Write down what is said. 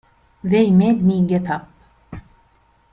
They made me get up.